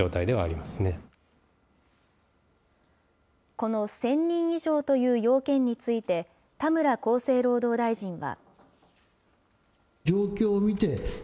この１０００人以上という要件について、田村厚生労働大臣は。